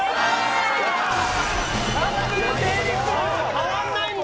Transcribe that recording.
変わらないんだ！